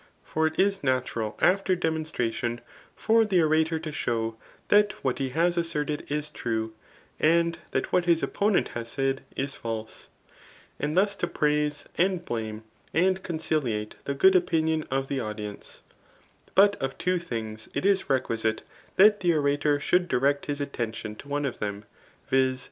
] For it is natural* after demonstration, for the orator to show, that what he has asserted is true, and that what his opponent has laid is false ; and thus to praise, and blame, and coo* ciliate the good opinion of the audience* But of two things, it is requisite that the orator should direct his at tention to one of them, viz.